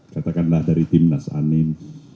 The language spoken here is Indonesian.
katakanlah dari tim nas anin